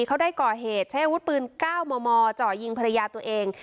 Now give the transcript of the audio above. เขาได้ก่อเหตุใช้อาวุธปืน๙มมเจาะยิงภรรยาตัวเอง